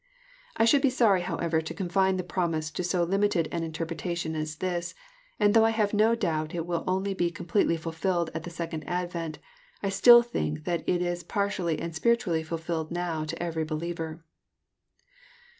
I should be sorry, however, to confine the promise to so limited an interpretation as this, and though I have no doubt it will only be completely ftilfilled at the second advent, I still think that it is partially and spiritually fulfilled now to every believer.